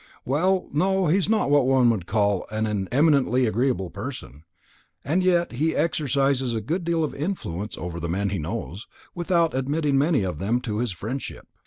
"Well, no, he is not what one could well call an eminently agreeable person. And yet he exercises a good deal of influence over the men he knows, without admitting many of them to his friendship.